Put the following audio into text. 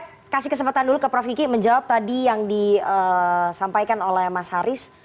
saya kasih kesempatan dulu ke prof kiki menjawab tadi yang disampaikan oleh mas haris